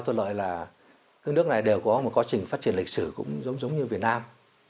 tôi lợi là các nước này đều có một quá trình phát triển lịch sử cũng giống giống như việt nam